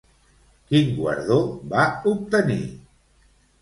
Quin guardó va obtenir?